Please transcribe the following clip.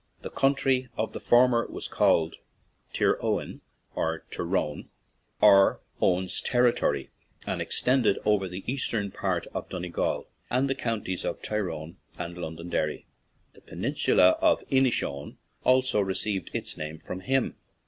The country of the former was called Tir Eoghan (Tyrone), or Owen's territory, and extended over the eastern part of Donegal and the counties of Tyrone and Londonderry. The peninsula of Ini showen also received its name from him.